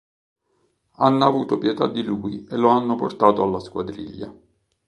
Hanno avuto pietà di lui e lo hanno portato alla squadriglia.